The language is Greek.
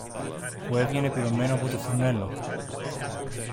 που έβγαινε πυρωμένο από το φουρνέλο.